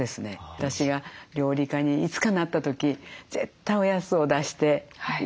私が料理家にいつかなった時絶対おやつを出してずっと決めてましたね。